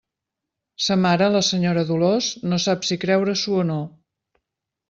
Sa mare, la senyora Dolors, no sap si creure-s'ho o no.